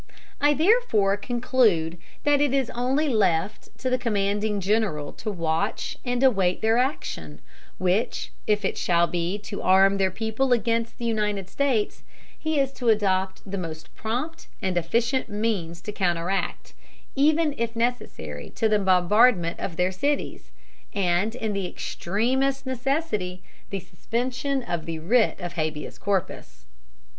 I therefore conclude that it is only left to the commanding general to watch and await their action, which, if it shall be to arm their people against the United States, he is to adopt the most prompt and efficient means to counteract, even if necessary to the bombardment of their cities; and, in the extremest necessity, the suspension of the writ of habeas corpus."